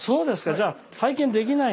じゃあ拝見できない。